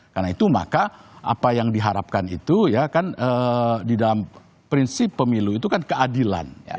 karena itu maka apa yang diharapkan itu di dalam prinsip pemilu itu kan keadilan